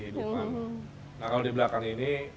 di depan nah kalau di belakang ini